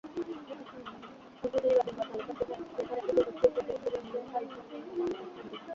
সম্প্রতি নিরাপদ বার্তা লেখার একটি প্রযুক্তির পেটেন্ট করিয়েছে আইফোন নির্মাতা প্রতিষ্ঠানটি।